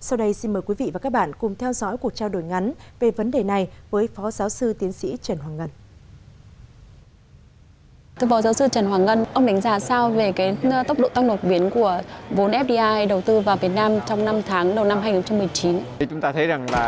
sau đây xin mời quý vị và các bạn cùng theo dõi cuộc trao đổi ngắn về vấn đề này với phó giáo sư tiến sĩ trần hoàng ngân